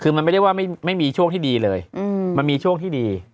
คือมันไม่ได้ว่าไม่มีช่วงที่ดีเลยมันมีช่วงที่ดี